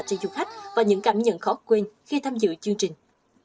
cho du khách và những cảm nhận khó quên khi tham dự chương trình